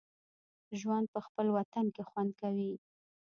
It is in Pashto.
ژوند په خپل وطن کې خوند کوي